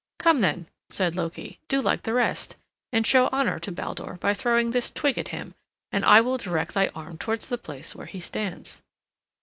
"Come, then," said Loki, "do like the rest, and show honor to Baldur by throwing this twig at him, and I will direct thy arm towards the place where he stands."